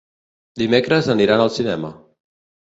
Dimecres aniran al cinema.